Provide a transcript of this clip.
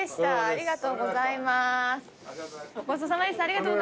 ありがとうございます。